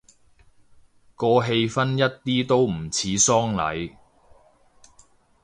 個氣氛一啲都唔似喪禮